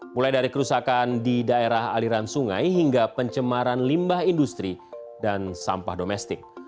mulai dari kerusakan di daerah aliran sungai hingga pencemaran limbah industri dan sampah domestik